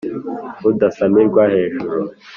Udasamirwa hejuru